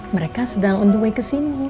mereka sedang on the way ke sini